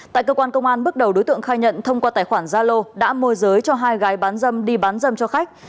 tại cơ quan công an bước đầu đối tượng khai nhận thông qua tài khoản zalo đã mua giới cho hai gái bán dâm đi bán dâm cho khách